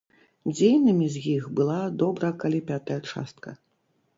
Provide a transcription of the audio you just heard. Дзейнымі з іх была добра калі пятая частка.